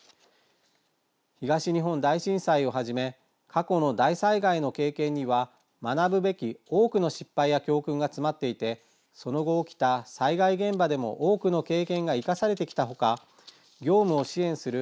東日本大震災をはじめ過去の大災害の経験には学ぶべき多くの失敗や教訓が詰まっていてその後起きた災害現場でも多くの経験が生かされてきた他業務を支援する